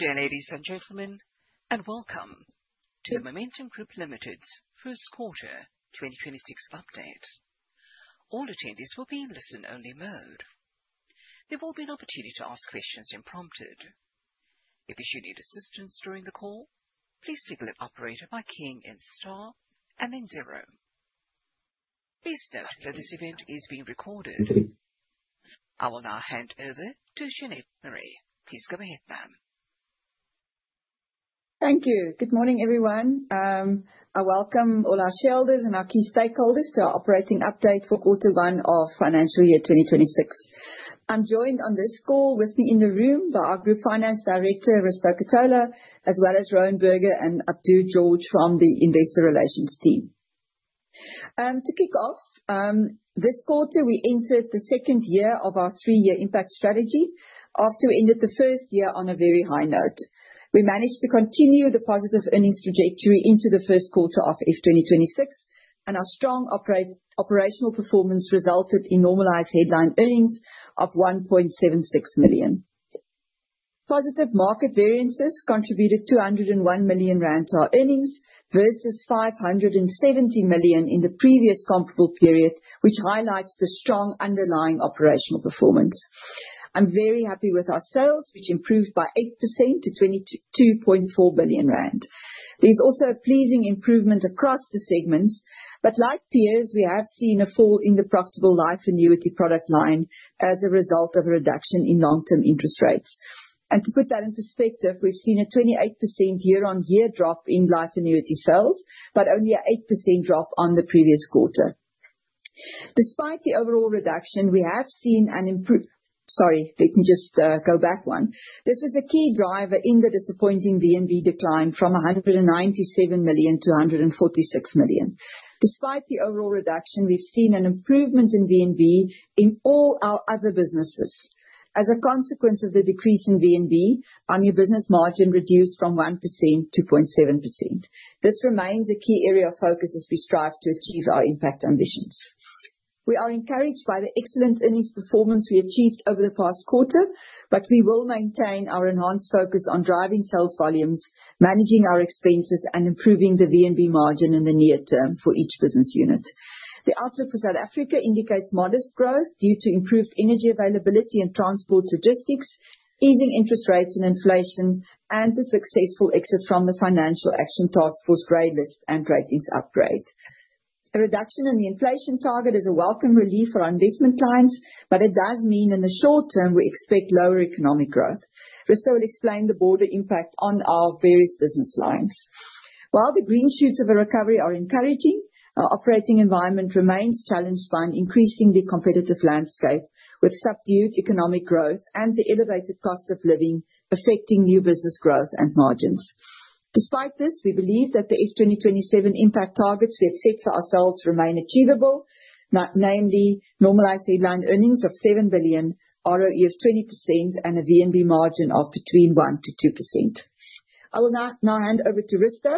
Good day, ladies and gentlemen, and welcome to Momentum Group Limited's first quarter 2026 update. All attendees will be in listen-only mode. There will be an opportunity to ask questions if prompted. If you need assistance during the call, please signal at operator by keying in star and then zero. Please note that this event is being recorded. I will now hand over to Jeanette Marais. Please go ahead, ma'am. Thank you. Good morning, everyone. I welcome all our shareholders and our key stakeholders to our operating update for quarter one of financial year 2026. I'm joined on this call with me in the room by our Group Finance Director, Risto Ketola, as well as Rowan Burger and Abdul Gora from the Investor Relations team. To kick off, this quarter, we entered the second year of our three-year impact strategy after we ended the first year on a very high note. We managed to continue the positive earnings trajectory into the first quarter of F2026, and our strong operational performance resulted in normalized headline earnings of 1.76 million. Positive market variances contributed 201 million rand to our earnings versus 570 million in the previous comparable period, which highlights the strong underlying operational performance. I'm very happy with our sales, which improved by 8% to 22.4 billion rand. There's also a pleasing improvement across the segments, but like peers, we have seen a fall in the profitable life annuity product line as a result of a reduction in long-term interest rates. To put that in perspective, we've seen a 28% year-on-year drop in life annuity sales, but only an 8% drop on the previous quarter. Despite the overall reduction, we have seen an impro—sorry, let me just go back one. This was a key driver in the disappointing VNB decline from 197 million to 146 million. Despite the overall reduction, we've seen an improvement in VNB in all our other businesses. As a consequence of the decrease in VNB, our new business margin reduced from 1% to 2.7%. This remains a key area of focus as we strive to achieve our impact ambitions. We are encouraged by the excellent earnings performance we achieved over the past quarter, but we will maintain our enhanced focus on driving sales volumes, managing our expenses, and improving the VNB margin in the near term for each business unit. The outlook for South Africa indicates modest growth due to improved energy availability and transport logistics, easing interest rates and inflation, and the successful exit from the Financial Action Task Force grey list and ratings upgrade. A reduction in the inflation target is a welcome relief for our investment clients, but it does mean in the short term we expect lower economic growth. Risto will explain the broader impact on our various business lines. While the green shoots of a recovery are encouraging, our operating environment remains challenged by an increasingly competitive landscape, with subdued economic growth and the elevated cost of living affecting new business growth and margins. Despite this, we believe that the F2027 impact targets we had set for ourselves remain achievable, namely, normalized headline earnings of 7 billion, ROE of 20%, and a VNB margin of between 1%-2%. I will now hand over to Risto,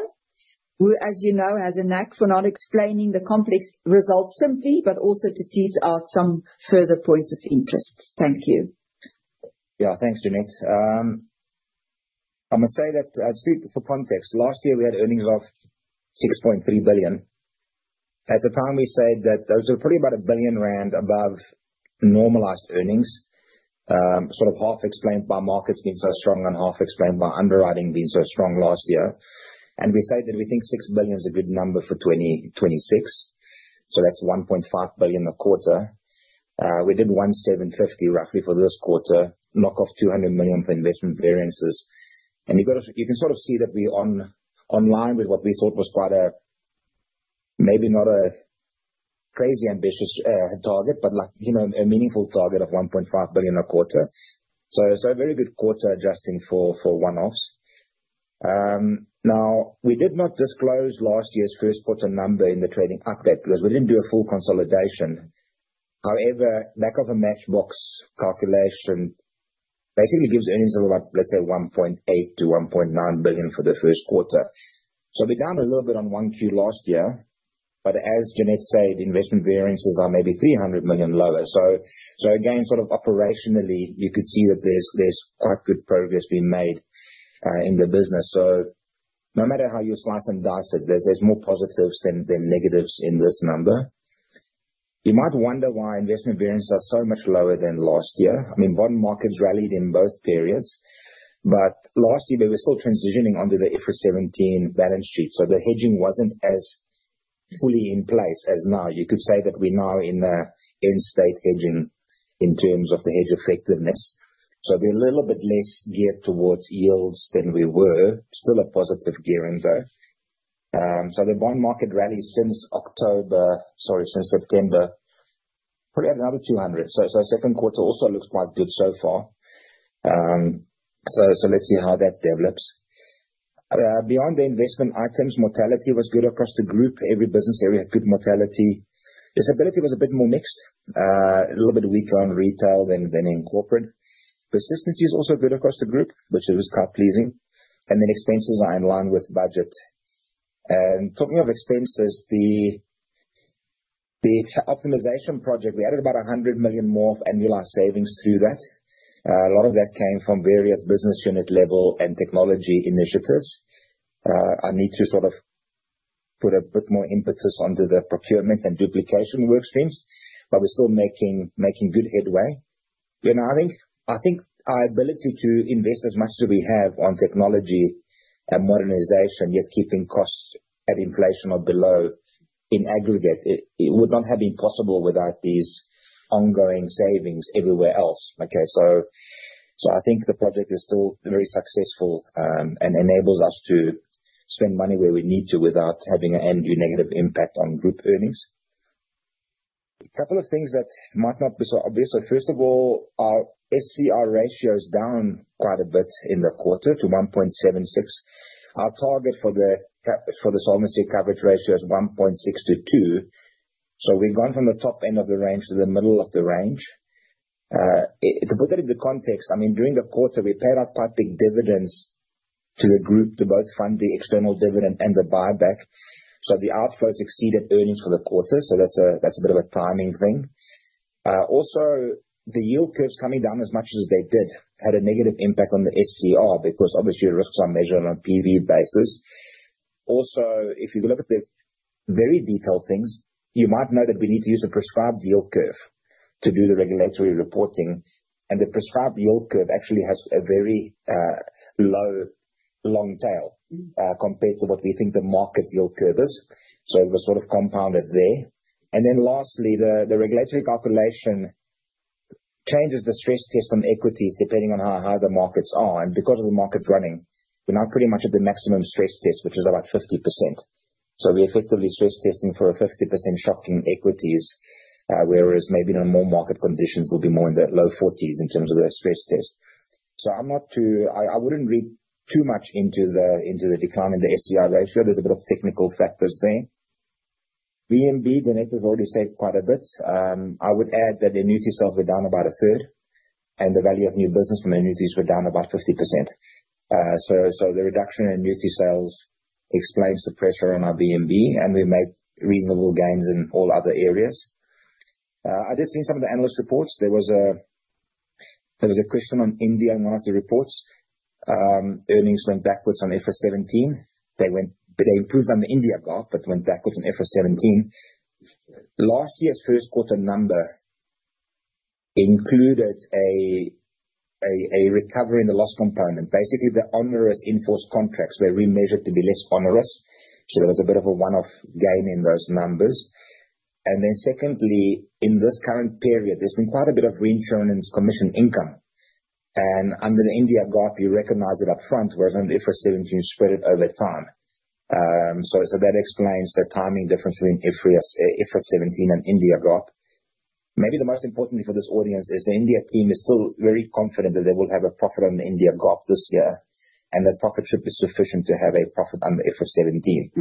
who, as you know, has a knack for not explaining the complex results simply, but also to tease out some further points of interest. Thank you. Yeah, thanks, Jeanette. I must say that, just for context, last year we had earnings of 6.3 billion. At the time we said that those were probably about 1 billion rand above normalized earnings, sort of half explained by markets being so strong and half explained by underwriting being so strong last year. We said that we think 6 billion is a good number for 2026, so that is 1.5 billion a quarter. We did 1.75 billion roughly for this quarter, knock off 200 million for investment variances. You can sort of see that we are on line with what we thought was quite a, maybe not a crazy ambitious target, but like, you know, a meaningful target of 1.5 billion a quarter. A very good quarter adjusting for one-offs. Now, we did not disclose last year's first quarter number in the trading update because we didn't do a full consolidation. However, lack of a matchbox calculation basically gives earnings of about, let's say, 1.8 billion-1.9 billion for the first quarter. We're down a little bit on 1Q last year, but as Jeanette said, investment variances are maybe 300 million lower. Again, sort of operationally, you could see that there's quite good progress being made in the business. No matter how you slice and dice it, there's more positives than negatives in this number. You might wonder why investment variances are so much lower than last year. I mean, bond markets rallied in both periods, but last year we were still transitioning onto the IFRS 17 balance sheet, so the hedging wasn't as fully in place as now. You could say that we're now in the end state hedging in terms of the hedge effectiveness. We're a little bit less geared towards yields than we were, still a positive gearing, though. The bond market rallies since October, sorry, since September, probably at another 200. Second quarter also looks quite good so far. Let's see how that develops. Beyond the investment items, mortality was good across the group. Every business area had good mortality. Disability was a bit more mixed, a little bit weaker on retail than in corporate. Persistency is also good across the group, which was quite pleasing. Expenses are in line with budget. Talking of expenses, the optimization project, we added about 100 million more of annualized savings through that. A lot of that came from various business unit level and technology initiatives. I need to sort of put a bit more impetus onto the procurement and duplication workstreams, but we're still making good headway. You know, I think our ability to invest as much as we have on technology and modernization, yet keeping costs at inflation or below in aggregate, it would not have been possible without these ongoing savings everywhere else. Okay, I think the project is still very successful, and enables us to spend money where we need to without having an end-year negative impact on group earnings. A couple of things that might not be so obvious. First of all, our SCR ratio is down quite a bit in the quarter to 1.76. Our target for the solvency coverage ratio is 1.6-2. We have gone from the top end of the range to the middle of the range. To put that into context, I mean, during the quarter, we paid out quite big dividends to the group to both fund the external dividend and the buyback. The outflows exceeded earnings for the quarter. That is a bit of a timing thing. Also, the yield curves coming down as much as they did had a negative impact on the SCR because obviously your risks are measured on a PV basis. Also, if you look at the very detailed things, you might know that we need to use a prescribed yield curve to do the regulatory reporting. The prescribed yield curve actually has a very low long tail, compared to what we think the market yield curve is. It was sort of compounded there. Lastly, the regulatory calculation changes the stress test on equities depending on how high the markets are. Because of the markets running, we're now pretty much at the maximum stress test, which is about 50%. We're effectively stress testing for a 50% shock in equities, whereas maybe in more market conditions we'll be more in the low 40's in terms of the stress test. I wouldn't read too much into the decline in the SCR ratio. There's a bit of technical factors there. VNB, Jeanette has already said quite a bit. I would add that annuity sales were down about a third, and the value of new business from annuities were down about 50%. The reduction in annuity sales explains the pressure on our VNB, and we make reasonable gains in all other areas. I did see some of the analyst reports. There was a question on India in one of the reports. Earnings went backwards on IFRS 17. They improved on the Ind AS, but went backwards on IFRS 17. Last year's first quarter number included a recovery in the loss component. Basically, the onerous enforced contracts were remeasured to be less onerous. There was a bit of a one-off gain in those numbers. And then secondly, in this current period, there has been quite a bit of reinsurance commission income. Under the Ind AS, you recognize it upfront, whereas under IFRS 17, you spread it over time. That explains the timing difference between IFRS 17 and Ind AS. Maybe the most important thing for this audience is the India team is still very confident that they will have a profit on the Ind AS this year, and that profit should be sufficient to have a profit under IFRS 17.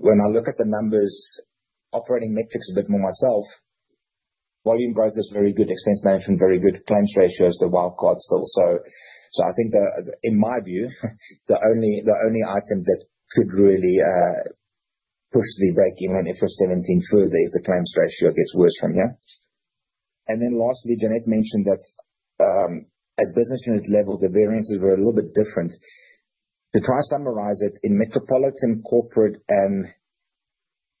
When I look at the numbers, operating metrics a bit more myself, volume growth is very good, expense management very good, claims ratio is the wild card still. I think, in my view, the only item that could really push the break-even on IFRS 17 further is if the claims ratio gets worse from here. Lastly, Jeanette mentioned that at business unit level, the variances were a little bit different. To try and summarize it, in Metropolitan Corporate and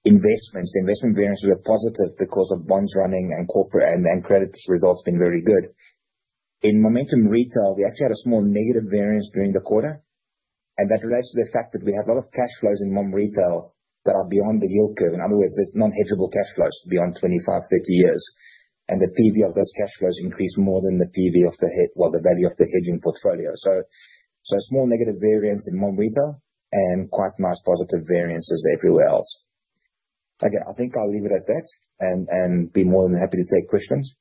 Investments, the investment variances were positive because of bonds running and corporate and credit results being very good. In Momentum retail, we actually had a small negative variance during the quarter, and that relates to the fact that we have a lot of cash flows in Momentum Retail that are beyond the yield curve. In other words, there's non-hedgeable cash flows beyond 25-30 years, and the PV of those cash flows increased more than the PV of the heat, well, the value of the hedging portfolio. Small negative variance in Momentum Retail and quite nice positive variances everywhere else. Okay, I think I'll leave it at that and be more than happy to take questions.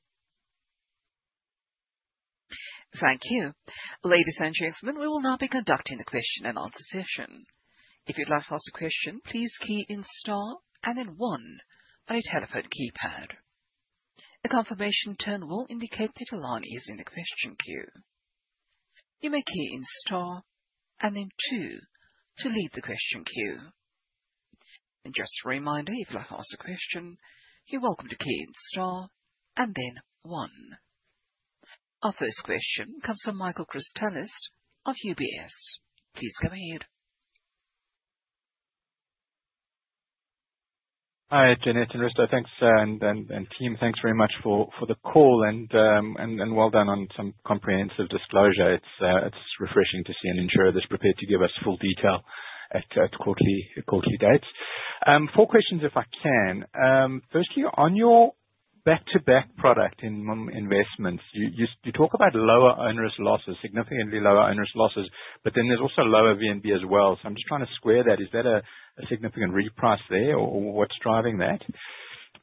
Thank you. Ladies and gentlemen, we will now be conducting the question and answer session. If you'd like to ask a question, please key in star and then one on your telephone keypad. The confirmation tone will indicate that Elani is in the question queue. You may key in star and then two to leave the question queue. Just a reminder, if you'd like to ask a question, you're welcome to key in star and then one. Our first question comes from Michael Christelis of UBS. Please go ahead. Hi, Jeanette and Risto. Thanks, and team, thanks very much for the call and well done on some comprehensive disclosure. It's refreshing to see an insurer that's prepared to give us full detail at quarterly dates. Four questions if I can. Firstly, on your back-to-back product in Momentum Investments, you talk about lower onerous losses, significantly lower onerous losses, but then there's also lower VNB as well. So I'm just trying to square that. Is that a significant reprice there or what's driving that?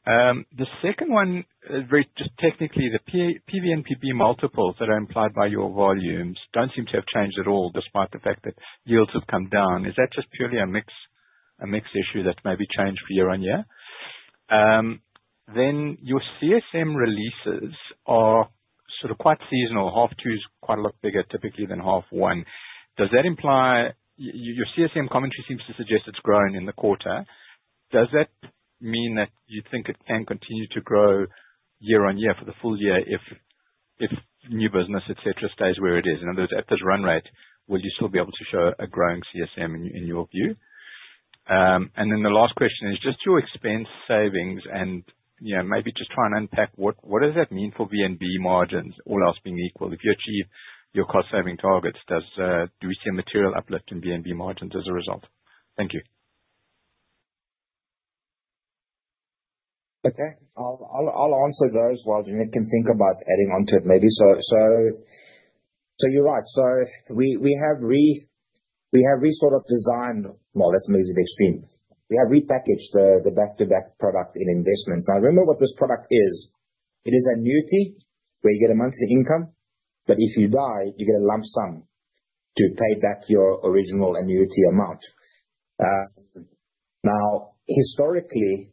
The second one is very just technically the PVNBP multiples that are implied by your volumes don't seem to have changed at all despite the fact that yields have come down. Is that just purely a mix, a mix issue that may be changed for year-on-year? Then your CSM releases are sort of quite seasonal. Half two is quite a lot bigger typically than half one. Does that imply your CSM commentary seems to suggest it's grown in the quarter? Does that mean that you think it can continue to grow year on year for the full year if, if new business, et cetera, stays where it is? In other words, at this run rate, will you still be able to show a growing CSM, in your view? And then the last question is just your expense savings and, you know, maybe just try and unpack what, what does that mean for VNB margins, all else being equal? If you achieve your cost-saving targets, does, do we see a material uplift in VNB margins as a result? Thank you. Okay, I'll answer those while Jeanette can think about adding onto it maybe. You're right. We have re, we have re sort of designed, let's move to the extreme. We have repackaged the back-to-back product in investments. Now, remember what this product is. It is an annuity where you get a monthly income, but if you die, you get a lump sum to pay back your original annuity amount. Now, historically,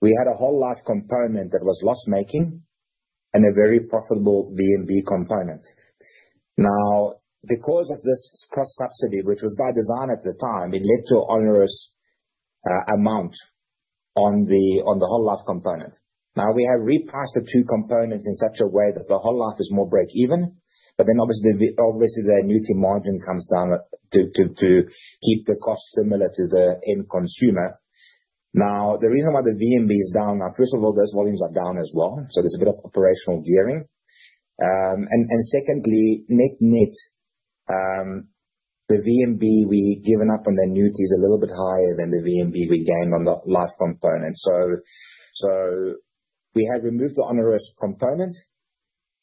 we had a whole large component that was loss-making and a very profitable VNB component. Now, because of this cross-subsidy, which was by design at the time, it led to an onerous amount on the whole life component. Now, we have repriced the two components in such a way that the whole life is more break-even, but then obviously, the annuity margin comes down to keep the cost similar to the end consumer. Now, the reason why the VNB is down, first of all, those volumes are down as well. There is a bit of operational gearing, and secondly, net-net, the VNB we have given up on the annuity is a little bit higher than the VNB we gained on the life component. We have removed the onerous component.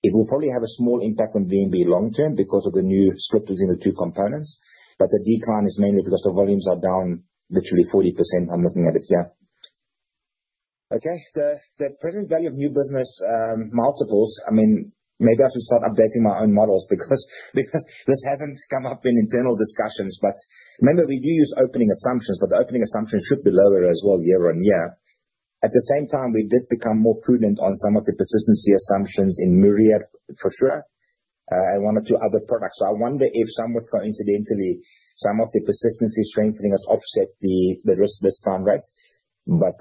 It will probably have a small impact on VNB long-term because of the new split between the two components, but the decline is mainly because the volumes are down literally 40%. I am looking at it here. Okay, the present value of new business, multiples, I mean, maybe I should start updating my own models because this hasn't come up in internal discussions. Remember, we do use opening assumptions, but the opening assumptions should be lower as well year on year. At the same time, we did become more prudent on some of the persistency assumptions in Myriad for sure, and one or two other products. I wonder if somewhat coincidentally, some of the persistency strengthening has offset the risk discount rate.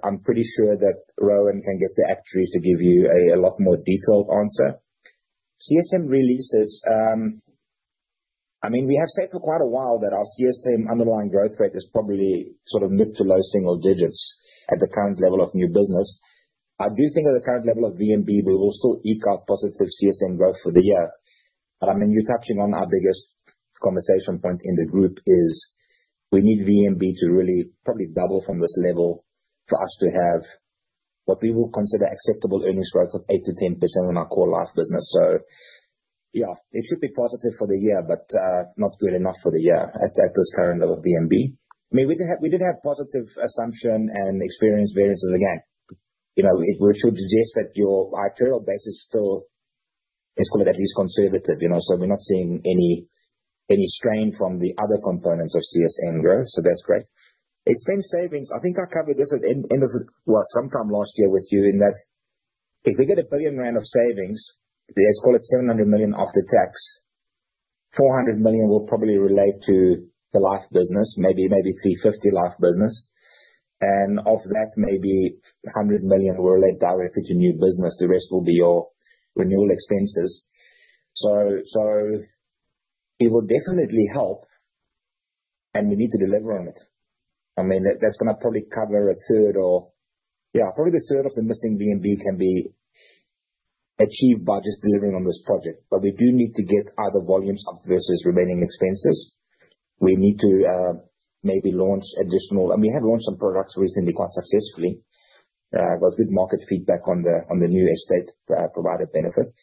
I'm pretty sure that Rowan can get the actuaries to give you a lot more detailed answer. CSM releases, I mean, we have said for quite a while that our CSM underlying growth rate is probably sort of mid to low single digits at the current level of new business. I do think at the current level of VNB, we will also still out positive CSM growth for the year. I mean, you're touching on our biggest conversation point in the group is we need VNB to really probably double from this level for us to have what we will consider acceptable earnings growth of 8%-10% on our core life business. Yeah, it should be positive for the year, but not good enough for the year at this current level of VNB. I mean, we did have, we did have positive assumption and experience variances. Again, you know, it would suggest that your actual base is still, let's call it at least conservative, you know. We are not seeing any strain from the other components of CSM growth. That's great. Expense savings, I think I covered this at the end of, sometime last year with you in that if we get 1 billion rand of savings, let's call it 700 million after tax, 400 million will probably relate to the life business, maybe, maybe 350 million life business. And of that, maybe 100 million will relate directly to new business. The rest will be your renewal expenses. It will definitely help, and we need to deliver on it. I mean, that's going to probably cover a third or, yeah, probably a third of the missing VNB can be achieved by just delivering on this project. We do need to get either volumes up versus remaining expenses. We need to, maybe launch additional, and we have launched some products recently quite successfully, with good market feedback on the new estate provider benefit.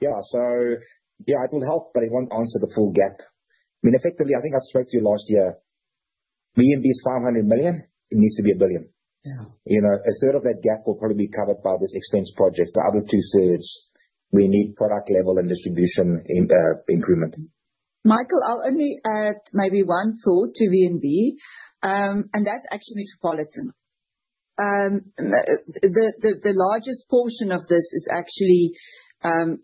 Yeah, so yeah, it will help, but it will not answer the full gap. I mean, effectively, I think I spoke to you last year. VNB is 500 million. It needs to be 1 billion. Yeah, you know, a third of that gap will probably be covered by this expense project. The other two thirds, we need product level and distribution in, increment. Michael, I'll only add maybe one thought to VNB, and that's actually Metropolitan. The largest portion of this is actually,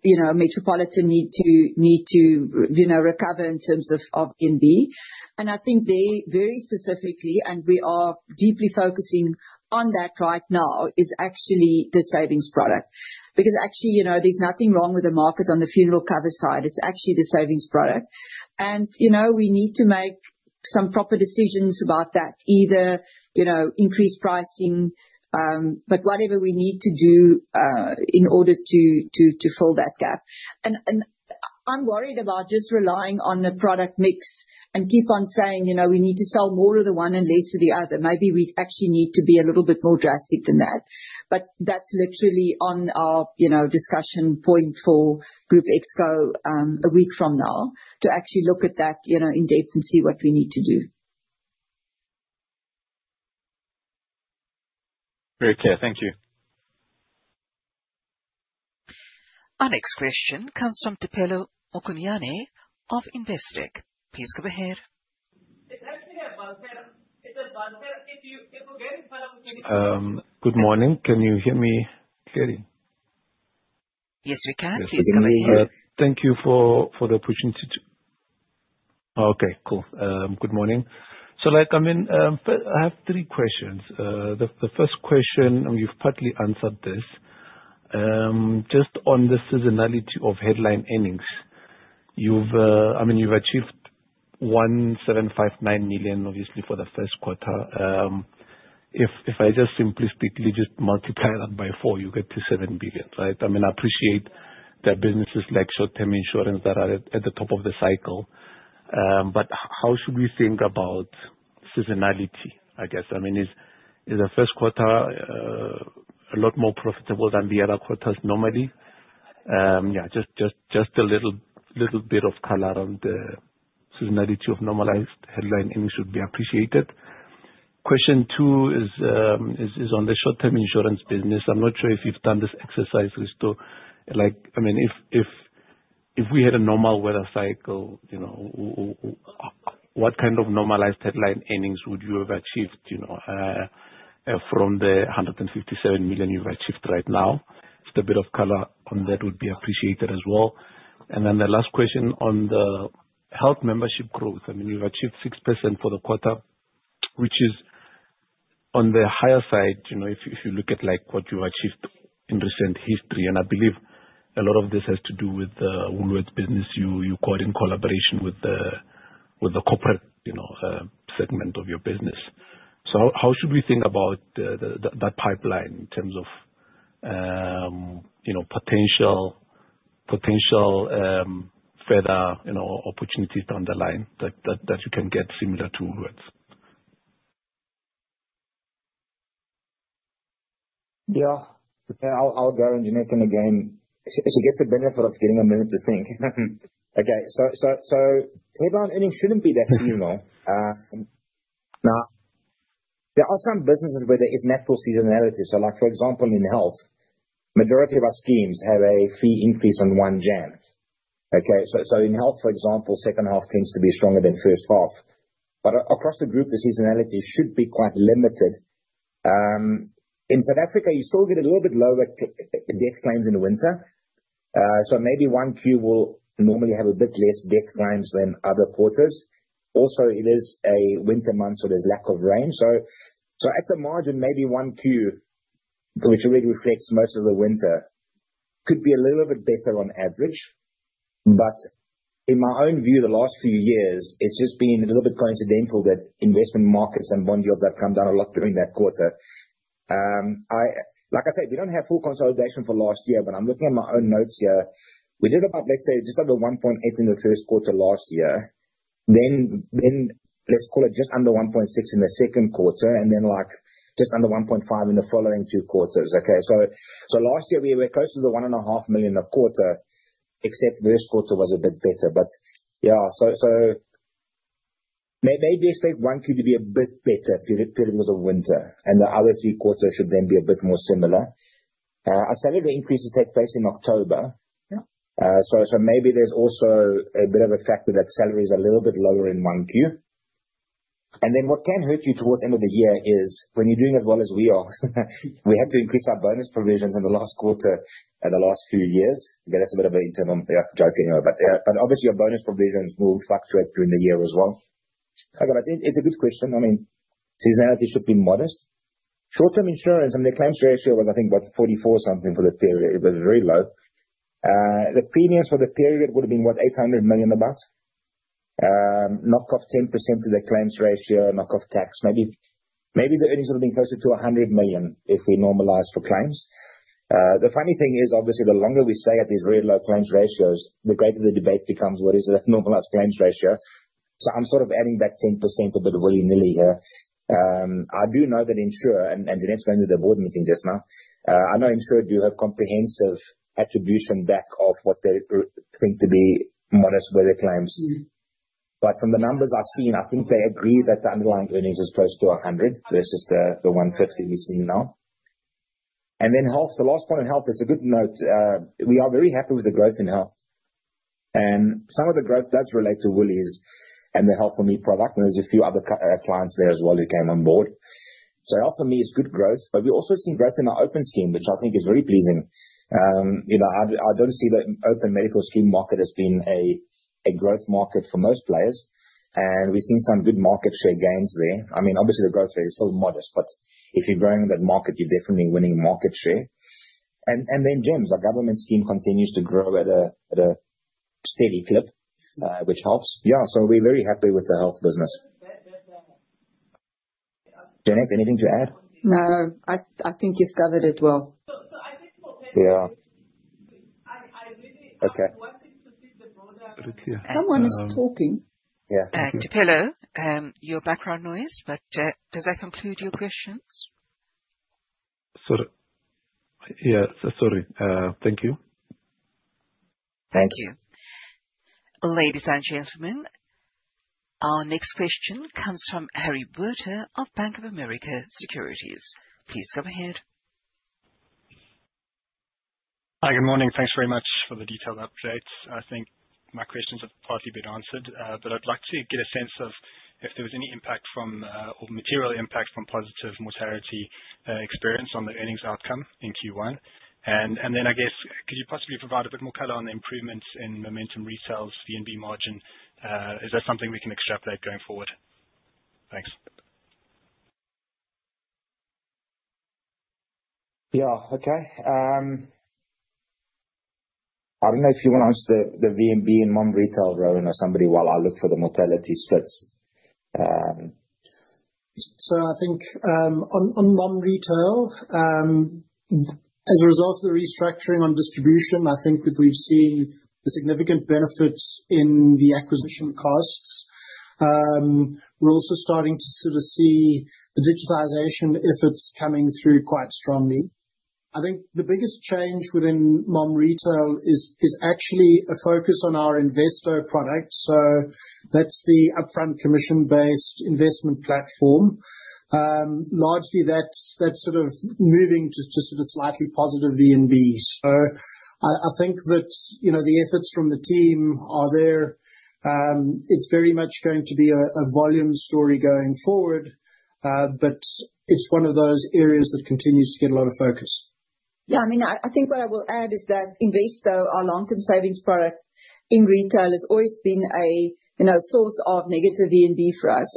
you know, Metropolitan need to, need to, you know, recover in terms of VNB. I think they very specifically, and we are deeply focusing on that right now, is actually the savings product. Because actually, you know, there's nothing wrong with the market on the funeral cover side. It's actually the savings product. You know, we need to make some proper decisions about that, either, you know, increase pricing, but whatever we need to do, in order to, to, to fill that gap. I'm worried about just relying on the product mix and keep on saying, you know, we need to sell more of the one and less of the other. Maybe we actually need to be a little bit more drastic than that. That is literally on our, you know, discussion point for Group Exco, a week from now to actually look at that, you know, in depth and see what we need to do. Very clear. Thank you. Our next question comes from Tupelo Okunyane of Investec. Please go ahead. Good morning. Can you hear me clearly? Yes, we can. Please go ahead. Thank you for the opportunity to. Okay, cool. Good morning. Like, I mean, I have three questions. The first question, and you've partly answered this, just on the seasonality of headline earnings. You've, I mean, you've achieved 1,759 million, obviously, for the first quarter. If I just simplistically just multiply that by four, you get to 7 billion, right? I mean, I appreciate that businesses like short-term insurance that are at the top of the cycle. How should we think about seasonality, I guess? I mean, is the first quarter a lot more profitable than the other quarters normally? Yeah, just a little bit of color on the seasonality of normalized headline earnings should be appreciated. Question two is on the short-term insurance business. I'm not sure if you've done this exercise, Risto. Like, I mean, if we had a normal weather cycle, you know, what kind of normalized headline earnings would you have achieved, you know, from the 157 million you've achieved right now? Just a bit of color on that would be appreciated as well. The last question on the health membership growth. I mean, you've achieved 6% for the quarter, which is on the higher side, you know, if you look at like what you've achieved in recent history. I believe a lot of this has to do with the Woolworths business you quote in collaboration with the corporate, you know, segment of your business. How should we think about that pipeline in terms of, you know, potential, further, you know, opportunities down the line that you can get similar to Woolworths? Yeah, I'll guarantee Nathan again, she gets the benefit of getting a minute to think. Okay, headline earnings shouldn't be that seasonal. Now, there are some businesses where there is natural seasonality. Like, for example, in health, majority of our schemes have a fee increase on one Jan. Okay, in health, for example, second half tends to be stronger than first half. Across the group, the seasonality should be quite limited. In South Africa, you still get a little bit lower death claims in the winter. Maybe 1Q will normally have a bit less death claims than other quarters. Also, it is a winter month, so there's lack of rain. At the margin, maybe 1Q, which already reflects most of the winter, could be a little bit better on average. In my own view, the last few years, it has just been a little bit coincidental that investment markets and bond yields have come down a lot during that quarter. Like I said, we do not have full consolidation for last year, but I am looking at my own notes here. We did about, let's say, just under 1.8 million in the first quarter last year. Let's call it just under 1.6 million in the second quarter and then just under 1.5 million in the following two quarters. Last year we were close to the 1.5 million a quarter, except the first quarter was a bit better. Maybe expect 1Q to be a bit better period because of winter and the other three quarters should then be a bit more similar. Our salary increases take place in October. Yeah, so maybe there's also a bit of a factor that salary is a little bit lower in one queue. What can hurt you towards the end of the year is when you're doing as well as we are, we had to increase our bonus provisions in the last quarter and the last few years. Okay, that's a bit of an internal, yeah, joke anyway. Obviously your bonus provisions will fluctuate during the year as well. Okay, it's a good question. I mean, seasonality should be modest. Short-term insurance and the claims ratio was, I think, what, 44 something for the period. It was very low. The premiums for the period would have been, what, 800 million. Knock off 10% to the claims ratio, knock off tax. Maybe the earnings would have been closer to 100 million if we normalized for claims. The funny thing is, obviously, the longer we stay at these very low claims ratios, the greater the debate becomes, what is that normalized claims ratio? I am sort of adding back 10% a bit willy-nilly here. I do know that insurer, and Jeanette is going to the board meeting just now. I know insurer do have comprehensive attribution back of what they think to be modest weather claims. From the numbers I have seen, I think they agree that the underlying earnings is close to 100 versus the 150 we have seen now. The last point on health, it is a good note. We are very happy with the growth in health. Some of the growth does relate to Woolworths and the Health4Me product. There are a few other clients there as well who came on board. Health4Me is good growth, but we also see growth in our open scheme, which I think is very pleasing. You know, I don't see the open medical scheme market as being a growth market for most players. And we've seen some good market share gains there. I mean, obviously the growth rate is still modest, but if you're growing that market, you're definitely winning market share. And then gyms, our government scheme continues to grow at a steady clip, which helps. Yeah, so we're very happy with the health business. Jeanette, anything to add? No, I think you've covered it well. Yeah. Okay. Wanted to see the broader. Someone is talking. Yeah. Tupelo, your background noise, but, does that conclude your questions? Sorry. Yeah, sorry. Thank you. Thank you. Ladies and gentlemen, our next question comes from Harry Butler of Bank of America Securities. Please go ahead. Hi, good morning. Thanks very much for the detailed updates. I think my questions have partly been answered, but I'd like to get a sense of if there was any impact from, or material impact from positive mortality experience on the earnings outcome in Q1. Could you possibly provide a bit more color on the improvements in Momentum Retail, VNB margin? Is that something we can extrapolate going forward? Thanks. Yeah, okay. I don't know if you want to answer the VNB and Momentum Retail, Rowan or somebody, while I look for the mortality splits. I think, on Momentum Retail, as a result of the restructuring on distribution, I think that we've seen the significant benefits in the acquisition costs. We're also starting to sort of see the digitization, if it's coming through quite strongly. I think the biggest change within Momentum Retail is actually a focus on our investor product. So that's the upfront commission-based investment platform. Largely that's sort of moving to sort of slightly positive VNB. I think that, you know, the efforts from the team are there. It's very much going to be a volume story going forward. It's one of those areas that continues to get a lot of focus. Yeah, I mean, I think what I will add is that Investor, our long-term savings product in retail, has always been a, you know, source of negative VNB for us.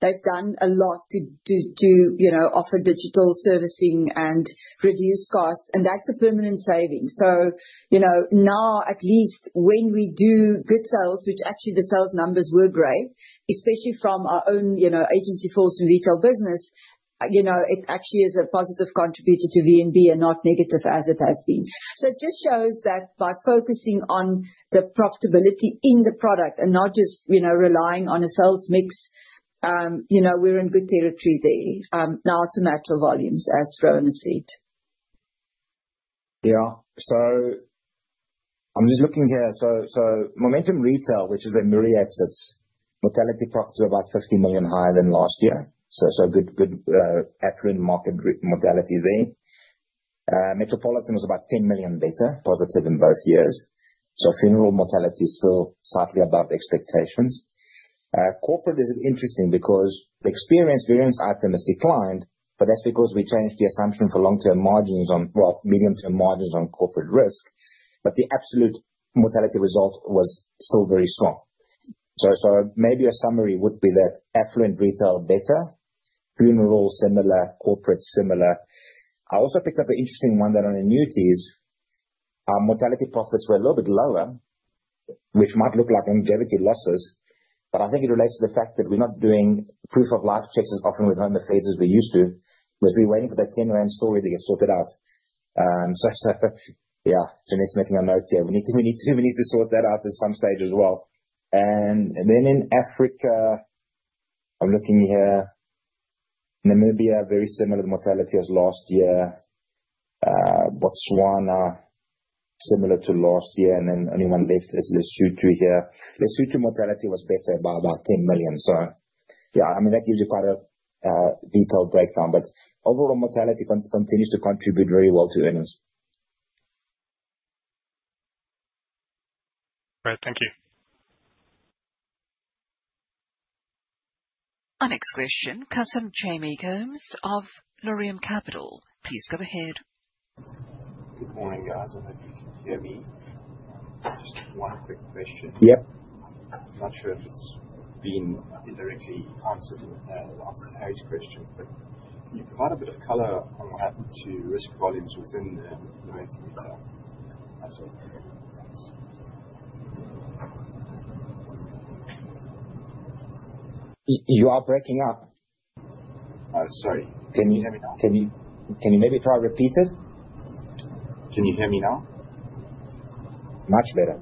They've done a lot to, you know, offer digital servicing and reduce costs. That's a permanent saving. You know, now, at least when we do good sales, which actually the sales numbers were great, especially from our own, you know, agency force and retail business, it actually is a positive contributor to VNB and not negative as it has been. It just shows that by focusing on the profitability in the product and not just, you know, relying on a sales mix, we're in good territory there. Now it's a matter of volumes, as Rowan has said. Yeah, so I'm just looking here. Momentum retail, which is the Murray Exits, mortality profits are about 50 million higher than last year. Good, apparent market mortality there. Metropolitan was about 10 million better, positive in both years. Funeral mortality is still slightly above expectations. Corporate is interesting because the experience variance item has declined, but that's because we changed the assumption for long-term margins on, well, medium-term margins on corporate risk. The absolute mortality result was still very strong. Maybe a summary would be that affluent retail better, funeral similar, corporate similar. I also picked up an interesting one that on annuities, our mortality profits were a little bit lower, which might look like longevity losses. I think it relates to the fact that we're not doing proof of life checks as often with home affiliates as we used to. We're waiting for that 10 rand story to get sorted out. Yeah, Jeanette's making a note here. We need to, we need to sort that out at some stage as well. In Africa, I'm looking here, Namibia, very similar mortality as last year. Botswana, similar to last year. The only one left is Lesotho here. Lesotho mortality was better by about 10 million. I mean, that gives you quite a detailed breakdown, but overall mortality continues to contribute very well to earnings. Great, thank you. Our next question come from Kasim Chetty Gomes of Laurium Capital. Please go ahead. Good morning, guys. I hope you can hear me. Just one quick question. I'm not sure if it's been indirectly answered, answered Harry's question, but can you provide a bit of color on what happened to risk volumes within the Momentum retail? You are breaking up. Oh, sorry. Can you hear me now? Can you maybe try to repeat it? Can you hear me now? Much better.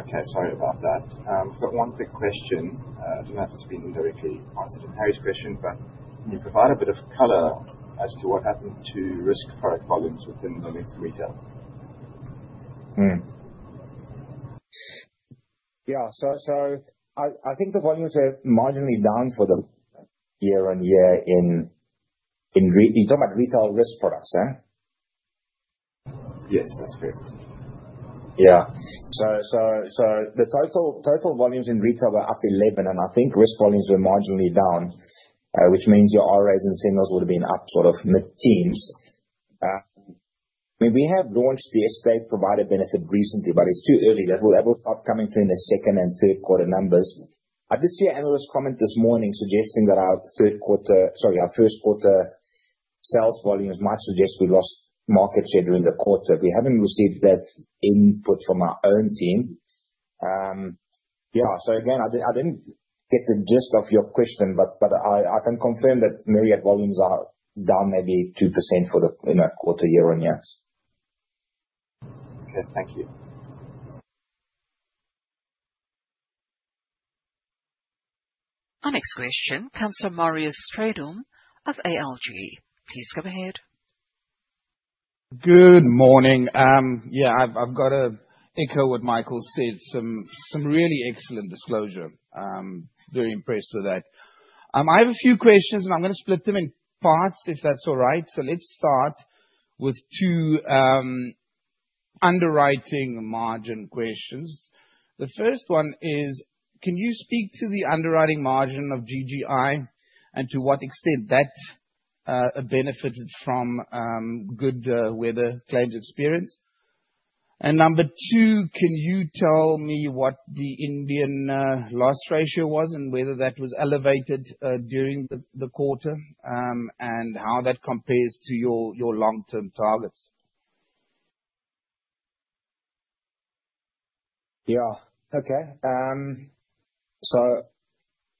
Okay, sorry about that. I've got one quick question. I don't know if it's been directly answered to Harry's question, but can you provide a bit of color as to what happened to risk product volumes within the Momentum retail? Yeah, I think the volumes were marginally down for the year on year in, in re you're talking about retail risk products. Yes, that's correct. Yeah, so the total volumes in retail were up 11, and I think risk volumes were marginally down, which means your RAs and CMOs would have been up sort of mid-teens. I mean, we have launched the estate provider benefit recently, but it's too early. That will start coming through in the second and third quarter numbers. I did see an analyst comment this morning suggesting that our third quarter, sorry, our first quarter sales volumes might suggest we lost market share during the quarter. We haven't received that input from our own team. Yeah, so again, I didn't get the gist of your question, but I can confirm that Myriad volumes are down maybe 2% for the, you know, quarter year on year. Okay, thank you. Our next question comes from Marius Steyn of ALG. Please go ahead. Good morning. Yeah, I've got to echo what Michael said, some really excellent disclosure. Very impressed with that. I have a few questions, and I'm going to split them in parts if that's all right. Let's start with two underwriting margin questions. The first one is, can you speak to the underwriting margin of Guardrisk and to what extent that benefited from good weather claims experience? Number two, can you tell me what the Indian loss ratio was and whether that was elevated during the quarter, and how that compares to your long-term targets? Yeah, okay.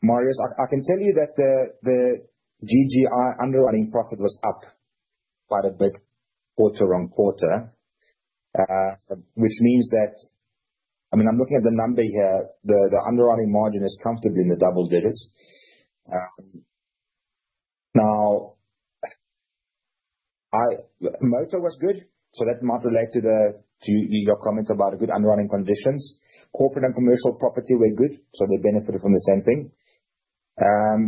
Marius, I can tell you that the Guardrisk underwriting profit was up quite a bit quarter on quarter, which means that, I mean, I'm looking at the number here, the underwriting margin is comfortably in the double digits. Now, motor was good, so that might relate to your comment about good underwriting conditions. Corporate and commercial property were good, so they benefited from the same thing.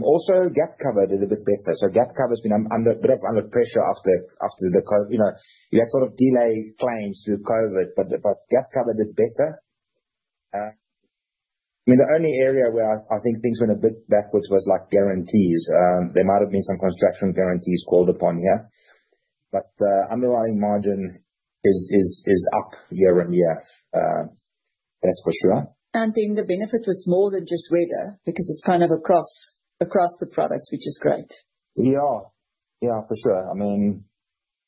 Also, gap cover did a bit better. Gap cover's been under a bit of pressure after, after the COV, you know, you had sort of delay claims through COVID, but gap cover did better. I mean, the only area where I think things went a bit backwards was like guarantees. There might have been some construction guarantees called upon here. The underwriting margin is up year on year, that's for sure. The benefit was more than just weather because it's kind of across, across the products, which is great. Yeah, yeah, for sure. I mean,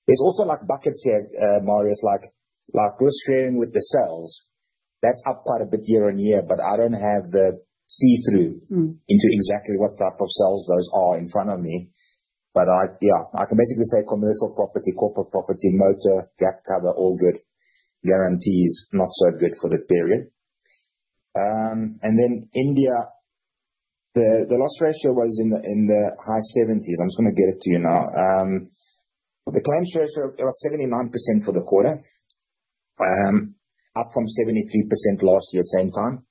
there's also like buckets here, Marius, like we're sharing with the sales. That's up quite a bit year on year, but I don't have the see-through into exactly what type of sales those are in front of me. But I, yeah, I can basically say commercial property, corporate property, motor, gap cover, all good. Guarantees, not so good for the period. India, the loss ratio was in the high 70's. I'm just going to get it to you now. The claims ratio, it was 79% for the quarter, up from 73% last year same time.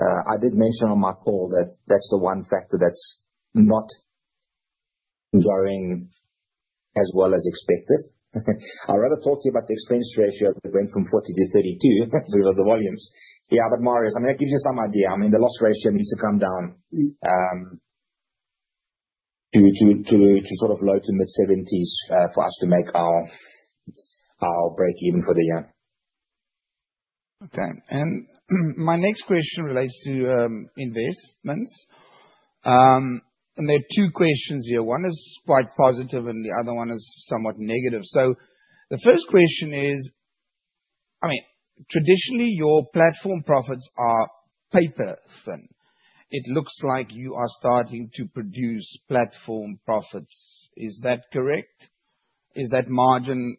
I did mention on my call that that's the one factor that's not going as well as expected. I'd rather talk to you about the expense ratio that went from 40 to 32 because of the volumes. Yeah, Marius, I mean, that gives you some idea. I mean, the loss ratio needs to come down to sort of low to mid-70s for us to make our break even for the year. Okay. My next question relates to investments. There are two questions here. One is quite positive and the other one is somewhat negative. The first question is, I mean, traditionally your platform profits are paper thin. It looks like you are starting to produce platform profits. Is that correct? Is that margin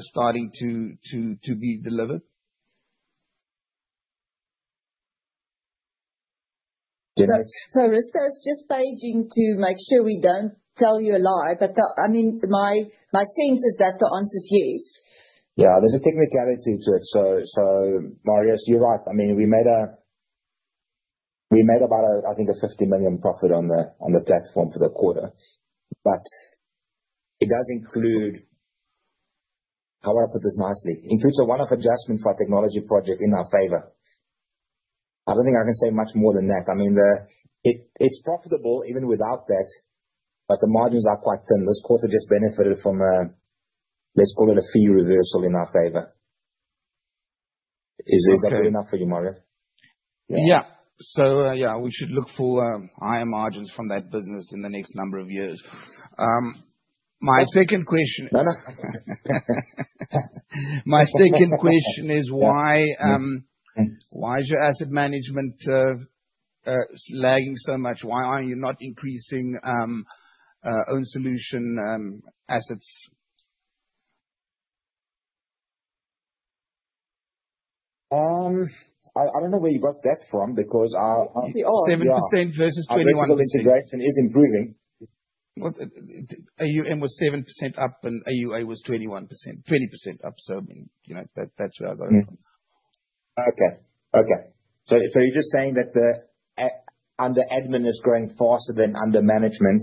starting to be delivered? Jeanette? Risto's just paging to make sure we don't tell you a lie, but the, I mean, my sense is that the answer's yes. Yeah, there's a technicality to it. Marius, you're right. I mean, we made a, we made about a, I think a 50 million profit on the platform for the quarter, but it does include, how would I put this nicely, includes a one-off adjustment for a technology project in our favor. I don't think I can say much more than that. I mean, it's profitable even without that, but the margins are quite thin. This quarter just benefited from a, let's call it a fee reversal in our favor. Is that good enough for you, Marius? Yeah, so, yeah, we should look for higher margins from that business in the next number of years. My second question. No, no. My second question is why, why is your asset management lagging so much? Why aren't you not increasing own solution assets? I don't know where you got that from because our. 7% versus 21%. Our technical integration is improving. AUM was 7% up and AUA was 21%, 20% up. I mean, you know, that, that's where I got it from. Okay. So you're just saying that the, under admin is growing faster than under management?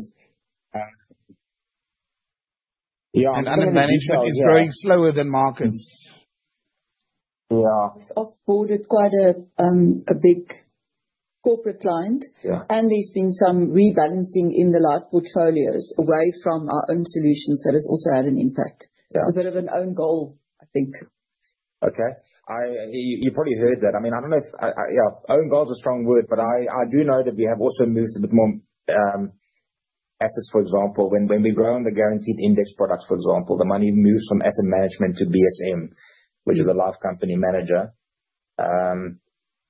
Yeah, under management is growing slower than markets. Yeah. Has boarded quite a big corporate client. Yeah. There has been some rebalancing in the last portfolios away from our own solutions that has also had an impact. Yeah. It's a bit of an own goal, I think. Okay. I, you probably heard that. I mean, I don't know if I, I, yeah, own goal's a strong word, but I, I do know that we have also moved a bit more, assets, for example, when, when we grow on the guaranteed index products, for example, the money moved from asset management to BSM, which is the life company manager.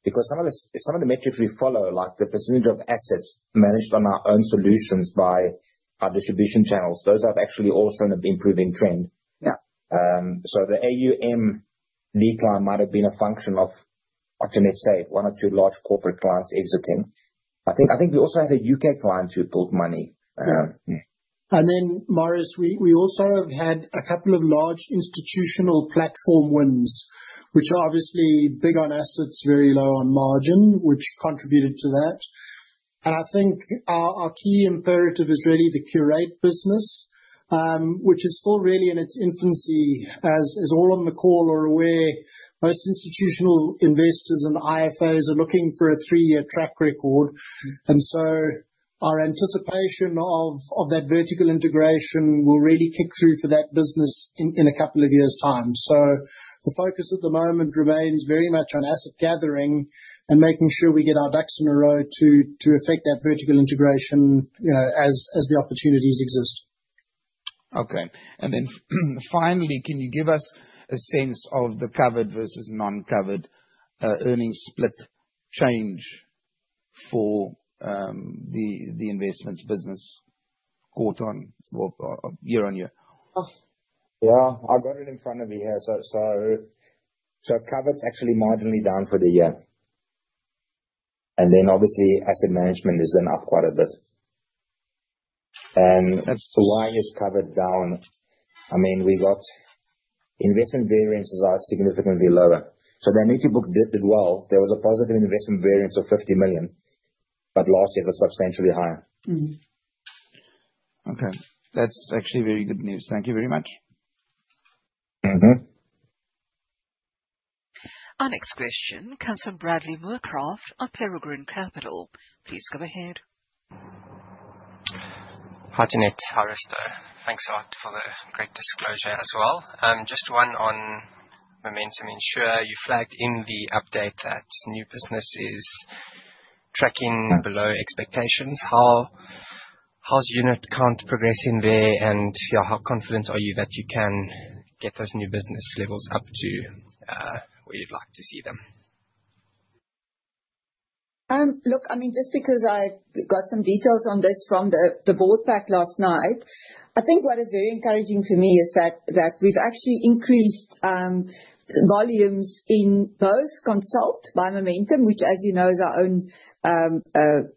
Because some of the, some of the metrics we follow, like the percentage of assets managed on our own solutions by our distribution channels, those have actually all shown an improving trend. Yeah. The AUM decline might have been a function of, like Jeanette said, one or two large corporate clients exiting. I think we also had a U.K. client who pulled money. Yeah. Marius, we also have had a couple of large institutional platform wins, which are obviously big on assets, very low on margin, which contributed to that. I think our key imperative is really the curate business, which is still really in its infancy. As all on the call are aware, most institutional investors and IFAs are looking for a three-year track record. Our anticipation of that vertical integration will really kick through for that business in a couple of years' time. The focus at the moment remains very much on asset gathering and making sure we get our ducks in a row to effect that vertical integration, you know, as the opportunities exist. Okay. Finally, can you give us a sense of the covered versus non-covered earnings split change for the investments business quarter on year on year? Yeah, I got it in front of me here. Covered's actually marginally down for the year. Asset management is then up quite a bit. The reason covered is down, I mean, we got investment variances are significantly lower. The need to book did well. There was a positive investment variance of 50 million, but last year it was substantially higher. Okay. That's actually very good news. Thank you very much. Mm-hmm. Our next question comes from Bradley Moorcroft of Peregrine Capital. Please go ahead. Hi, Jeanette. Risto. Thanks a lot for the great disclosure as well. Just one on Momentum. I'm sure you flagged in the update that new business is tracking below expectations. How's unit count progressing there? And yeah, how confident are you that you can get those new business levels up to where you'd like to see them? Look, I mean, just because I got some details on this from the board pack last night, I think what is very encouraging for me is that we've actually increased volumes in both consult by Momentum, which, as you know, is our own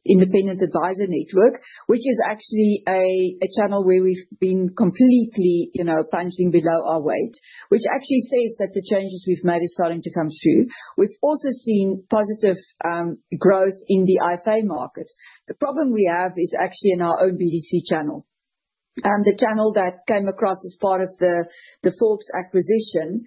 independent advisor network, which is actually a channel where we've been completely, you know, punching below our weight, which actually says that the changes we've made are starting to come through. We've also seen positive growth in the IFA market. The problem we have is actually in our own [BDC] channel, the channel that came across as part of the [Forbes acquisition].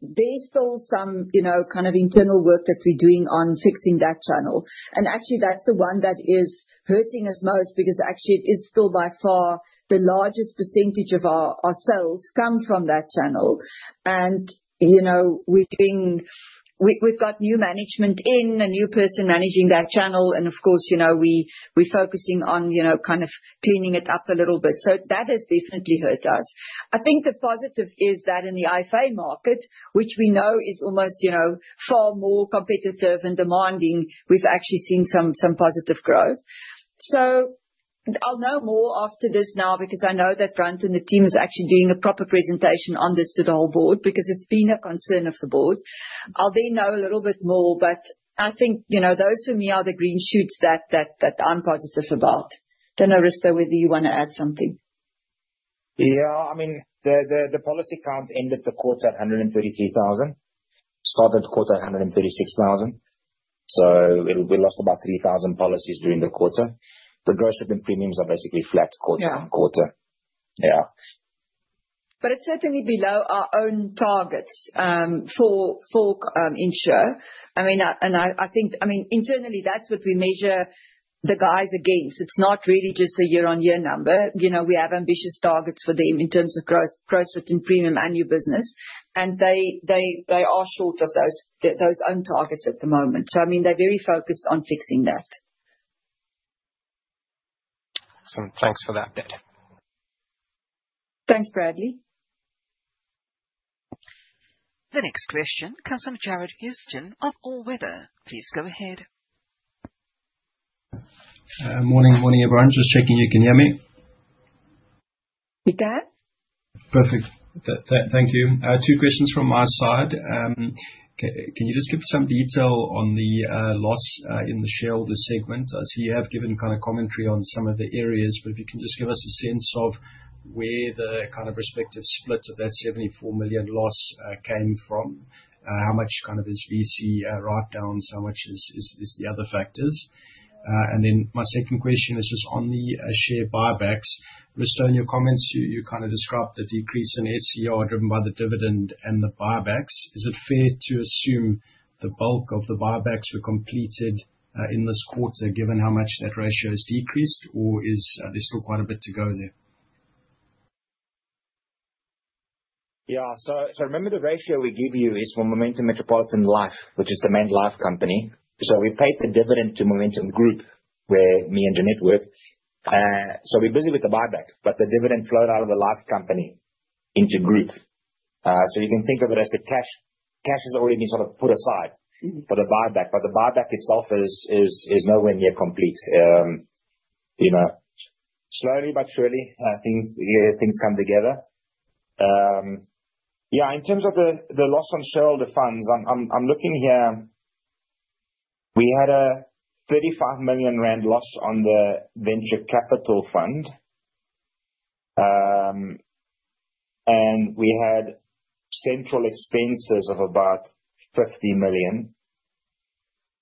There's still some, you know, kind of internal work that we're doing on fixing that channel. That is the one that is hurting us most because it is still by far the largest percentage of our sales come from that channel. You know, we've got new management in, a new person managing that channel. Of course, you know, we're focusing on, you know, kind of cleaning it up a little bit. That has definitely hurt us. I think the positive is that in the IFA market, which we know is almost, you know, far more competitive and demanding, we've actually seen some positive growth. I'll know more after this now because I know that Grant and the team is actually doing a proper presentation on this to the whole board because it's been a concern of the board. I'll then know a little bit more, but I think, you know, those for me are the green shoots that I'm positive about. I don't know, Risto, whether you want to add something. Yeah, I mean, the policy count ended the quarter at 133,000, started the quarter at 136,000. We lost about 3,000 policies during the quarter. The gross shipping premiums are basically flat quarter on quarter. Yeah. Yeah. It is certainly below our own targets for [Insure]. I mean, I think, I mean, internally that's what we measure the guys against. It's not really just the year on year number. You know, we have ambitious targets for them in terms of gross written premium and new business. They are short of those own targets at the moment. I mean, they're very focused on fixing that. Awesome. Thanks for that, Deb. Thanks, Bradley. The next question, Kasim Jared Houston of All Weather Capital. Please go ahead. Morning, morning everyone. Just checking you can hear me. We can. Perfect. Thank you. Two questions from my side. Can you just give some detail on the loss in the shareholder segment? I see you have given kind of commentary on some of the areas, but if you can just give us a sense of where the kind of respective split of that 74 million loss came from, how much kind of is VC write downs, how much is the other factors. My second question is just on the share buybacks. Risto, in your comments, you kind of described the decrease in SCR driven by the dividend and the buybacks. Is it fair to assume the bulk of the buybacks were completed in this quarter given how much that ratio has decreased, or is there still quite a bit to go there? Yeah. So remember the ratio we give you is for Momentum Metropolitan Life, which is the main life company. We paid the dividend to Momentum Group, where me and Jeanette work. We are busy with the buyback, but the dividend flowed out of the life company into group. You can think of it as the cash, cash has already been sort of put aside for the buyback, but the buyback itself is nowhere near complete. You know, slowly but surely, I think things come together. Yeah, in terms of the loss on shareholder funds, I am looking here. We had a 35 million rand loss on the venture capital fund. We had central expenses of about 50 million.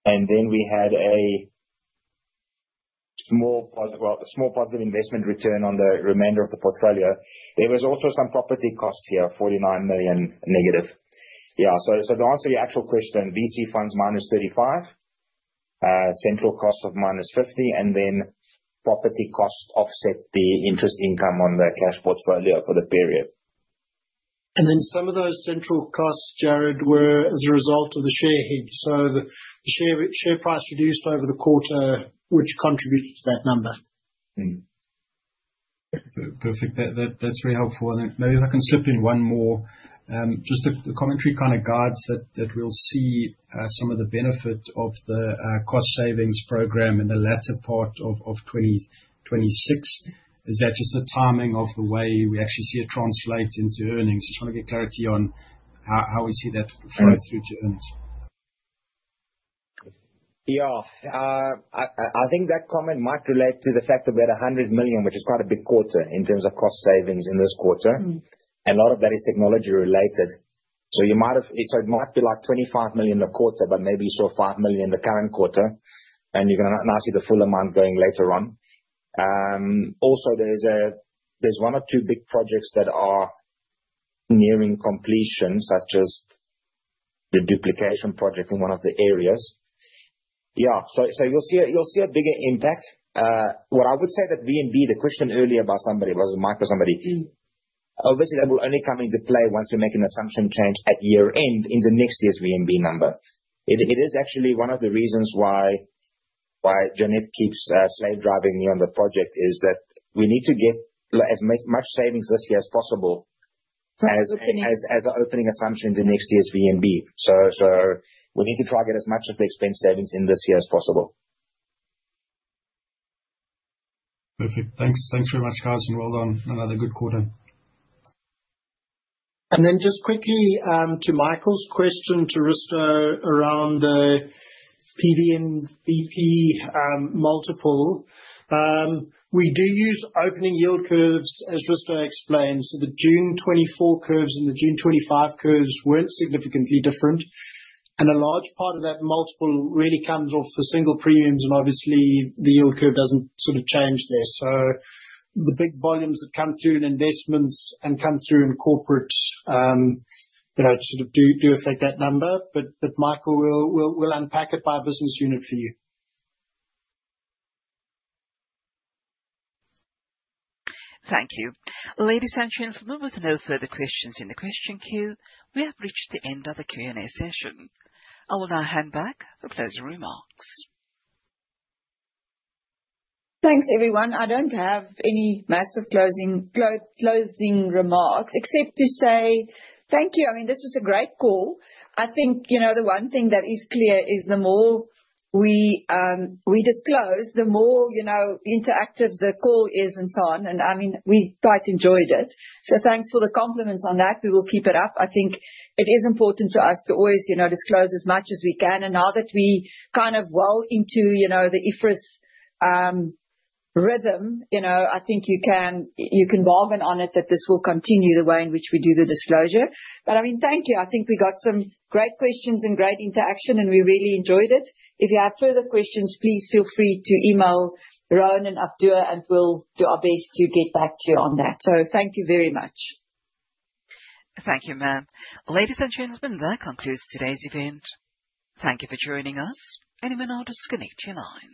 And then we had a small positive, well, a small positive investment return on the remainder of the portfolio. There was also some property costs here, 49 million negative. Yeah. To answer your actual question, VC funds minus 35 million, central cost of minus 50 million, and then property cost offset the interest income on the cash portfolio for the period. Some of those central costs, Jared, were as a result of the share hedge. The share price reduced over the quarter, which contributed to that number. Perfect. That, that's very helpful. Maybe if I can slip in one more, just the commentary kind of guides that we'll see some of the benefit of the cost savings program in the latter part of 2026. Is that just the timing of the way we actually see it translate into earnings? Just want to get clarity on how we see that flow through to earnings. Yeah. I think that comment might relate to the fact that we had 100 million, which is quite a big quarter in terms of cost savings in this quarter. A lot of that is technology related. You might have, so it might be like 25 million in the quarter, but maybe you saw 5 million in the current quarter, and you're gonna now see the full amount going later on. Also, there's one or two big projects that are nearing completion, such as the duplication project in one of the areas. Yeah. You'll see a bigger impact. What I would say, that VNB, the question earlier about somebody, it was a micro somebody. Obviously, that will only come into play once we make an assumption change at year end in the next year's VNB number. It is actually one of the reasons why Jeanette keeps slave driving me on the project is that we need to get as much savings this year as possible. As an opening. As an opening assumption in the next year's VNB, we need to target as much of the expense savings in this year as possible. Okay. Thanks. Thanks very much, Kasim. Well done. Another good quarter. Just quickly, to Michael's question to Risto around the PV and VP multiple. We do use opening yield curves, as Risto explained. The June 2024 curves and the June 2025 curves were not significantly different. A large part of that multiple really comes off the single premiums, and obviously the yield curve does not sort of change there. The big volumes that come through in investments and come through in corporate, you know, sort of do affect that number. Michael will unpack it by business unit for you. Thank you. Ladies and gentlemen, with no further questions in the question queue, we have reached the end of the Q&A session. I will now hand back for closing remarks. Thanks, everyone. I do not have any massive closing, closing remarks except to say thank you. I mean, this was a great call. I think, you know, the one thing that is clear is the more we disclose, the more, you know, interactive the call is and so on. I mean, we quite enjoyed it. Thanks for the compliments on that. We will keep it up. I think it is important to us to always, you know, disclose as much as we can. Now that we are kind of well into, you know, the IFRS rhythm, you know, I think you can bargain on it that this will continue the way in which we do the disclosure. I mean, thank you. I think we got some great questions and great interaction, and we really enjoyed it. If you have further questions, please feel free to email Rowan and Abdul, and we will do our best to get back to you on that. Thank you very much. Thank you, ma'am. Ladies and gentlemen, that concludes today's event. Thank you for joining us. You may now disconnect your line.